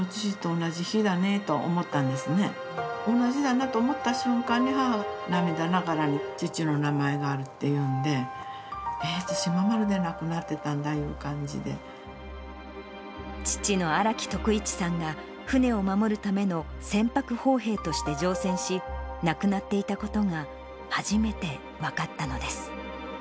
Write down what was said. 同じだなと思った瞬間に、母が涙ながらに、父の名前があるって言うんで、えー、対馬丸で亡くなってたんだ父の荒木徳一さんが、船を守るための船舶砲兵として乗船し、亡くなっていたことが初めて分かったのです。